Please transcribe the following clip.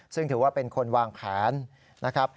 ซึ่งถือว่าเป็นคนวางแผนนะครับ